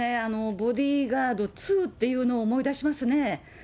ボディーガード２っていうのを思い出しますね。